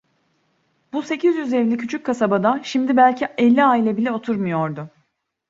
Bu sekiz yüz evli küçük kasabada, şimdi belki elli aile bile oturmuyordu.